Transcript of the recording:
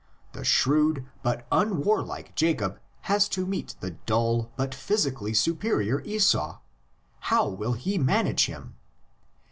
The shrewd but unwarlike Jacob has to meet the dull but physically superior Esau; how will he manage him?